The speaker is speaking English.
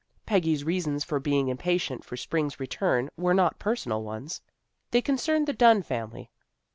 Peggy's reasons for being impatient for spring's return were not personal ones. They concerned the Dunn family.